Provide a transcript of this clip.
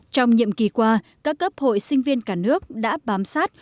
trong nhiệm kỳ qua các cấp hội sinh viên cả nước đã bám sát